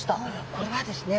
これはですね